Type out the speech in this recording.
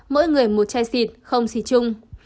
mỗi người một chai xịt không xịt chung